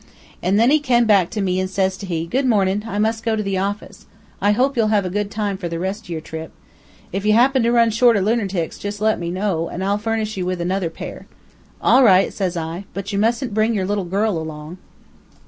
An' then he come back to me an' says he, 'Good mornin', I must go to the office. I hope you'll have a good time for the rest of your trip. If you happen to run short o' lunertics, jus' let me know, and I'll furnish you with another pair.' 'All right,' says I; 'but you mustn't bring your little girl along.'